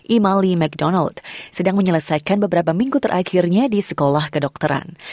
imali ⁇ mcdonald sedang menyelesaikan beberapa minggu terakhirnya di sekolah kedokteran